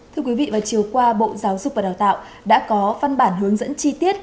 thưa quý vị vào chiều qua bộ giáo dục và đào tạo đã có văn bản hướng dẫn chi tiết